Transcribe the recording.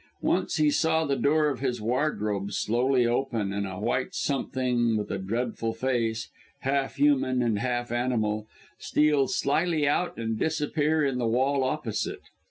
Once he saw the door of his wardrobe slowly open, and a white something with a dreadful face half human and half animal steal slyly out and disappear in the wall opposite.